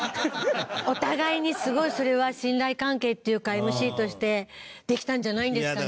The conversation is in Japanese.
お互いにすごいそれは信頼関係っていうかＭＣとしてできたんじゃないんですかね。